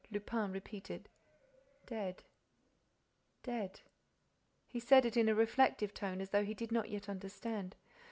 Lupin repeated: "Dead—dead—" He said it in a reflective tone, as though he did not yet understand.